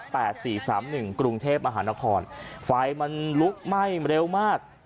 สามหนึ่งกรุงเทพมหานครไฟมันลุกไหม้เร็วมาก